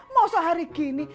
mau sehari gini